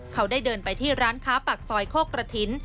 เขาได้เดินไปที่ร้านค้าปากซอยโคกกระถิ่น